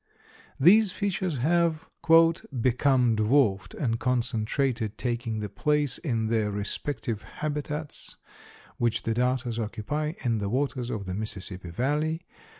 These fishes have "become dwarfed and concentrated, taking the place in their respective habitats which the darters occupy in the waters of the Mississippi valley.